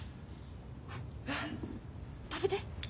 食べて。